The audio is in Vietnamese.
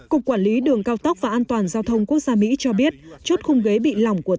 cục quản lý đường cao tốc và an toàn giao thông quốc gia mỹ cho biết chốt khung ghế bị lỏng của